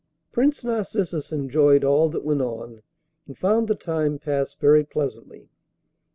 Prince Narcissus enjoyed all that went on, and found the time pass very pleasantly.